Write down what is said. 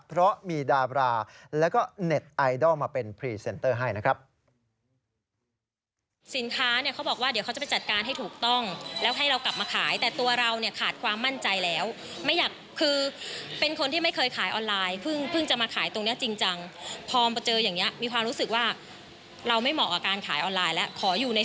เพราะมีดาบราแล้วก็เน็ตไอดอลมาเป็นพรีเซนเตอร์ให้นะครับ